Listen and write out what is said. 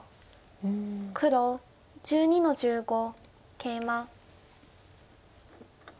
黒１２の十五ケイマ。